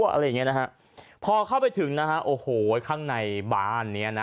อะไรอย่างนี้นะครับพอเข้าไปถึงนะครับโอ้โหข้างในบ่านเนี่ย